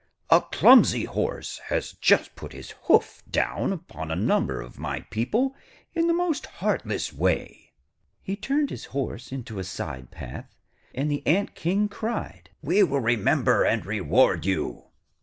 A clumsy horse has just put his hoof down upon a number of my people in the most heartless way.' He turned his horse into a side path, and the Ant King cried: 'We will remember and reward you.'